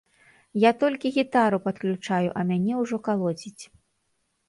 Я толькі гітару падключаю, а мяне ўжо калоціць.